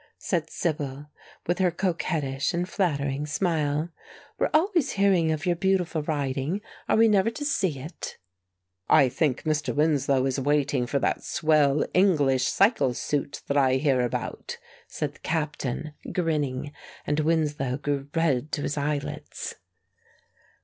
said Sibyl, with her coquettish and flattering smile. "We're always hearing of your beautiful riding. Are we never to see it?" "I think Mr. Winslow is waiting for that swell English cycle suit that I hear about," said the captain, grinning; and Winslow grew red to his eyelids.